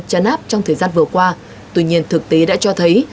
chăn áp trong thời gian vừa qua tuy nhiên thực tế đã cho thấy